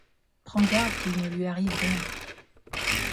Prends garde qu’il ne lui arrive rien.